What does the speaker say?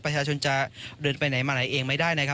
ประชาชนจะเดินไปไหนมาไหนเองไม่ได้นะครับ